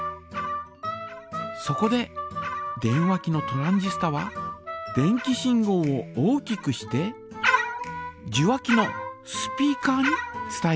そこで電話機のトランジスタは電気信号を大きくして受話器のスピーカーに伝えているのです。